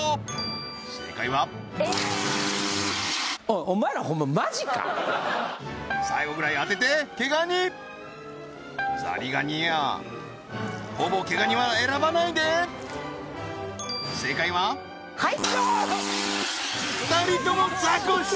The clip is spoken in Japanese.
兜正解は最後ぐらい当てて毛ガニザリガニやほぼ毛ガニは選ばないで正解は２人ともザコシ！